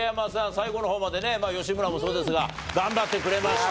最後の方までねまあ吉村もそうですが頑張ってくれました。